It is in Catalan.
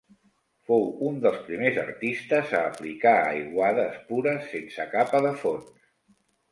Fou un dels primers artistes a aplicar aiguades pures sense capa de fons.